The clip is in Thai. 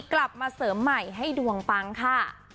กลับมาเสริมใหม่ให้ดวงปังค่ะ